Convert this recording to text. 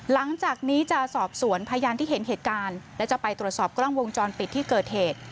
หลังจากนี้จะสอบสวนพยานที่เห็นเหตุการณ์และจะไปตรวจสอบกล้องวงจรปิดที่เกิดเหตุ